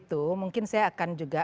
kalau kita terbuka